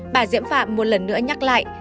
bà diễm phạm một lần nữa nhắc lại